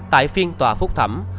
tại phiên tòa phúc thẩm